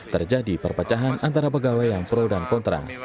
terjadi perpecahan antara pegawai yang pro dan kontra